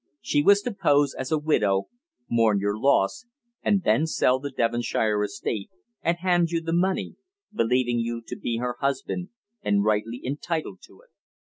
She was to pose as a widow, mourn your loss, and then sell the Devonshire estate and hand you the money, believing you to be her husband and rightly entitled to it.